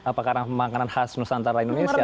apa karena makanan khas nusantara indonesia